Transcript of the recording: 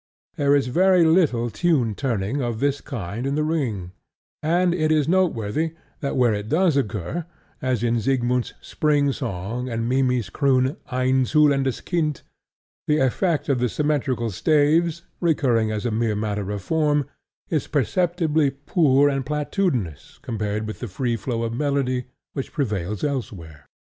There is very little tune turning of this kind in The Ring; and it is noteworthy that where it does occur, as in Siegmund's spring song and Mimmy's croon, "Ein zullendes Kind," the effect of the symmetrical staves, recurring as a mere matter of form, is perceptibly poor and platitudinous compared with the free flow of melody which prevails elsewhere.